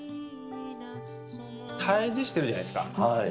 対じしてるじゃないですか。